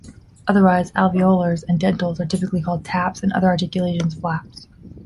Otherwise, alveolars and dentals are typically called "taps" and other articulations "flaps".